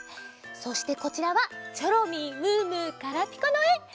そしてこちらはチョロミームームーガラピコのえ！